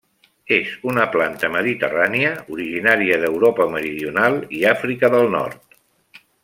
És una planta Mediterrània, originària d'Europa meridional i Àfrica del Nord.